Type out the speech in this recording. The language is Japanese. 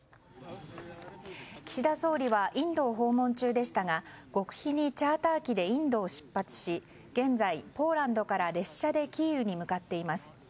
岸田総理はインドを訪問中でしたが極秘にチャーター機でインドを出発し現在ポーランドから列車でキーウに向かっています。